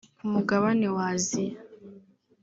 ku mugabane wa Asia